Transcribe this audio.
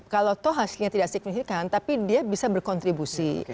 kalau toh hasilnya tidak signifikan tapi dia bisa berkontribusi